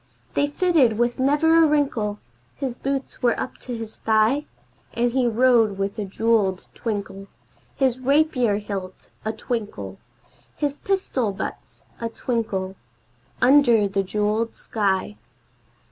They fitted with never a wrinkle; his boots were up to his thigh! And he rode with a jeweled twinkle His rapier hilt a twinkle His pistol butts a twinkle, under the jeweled sky.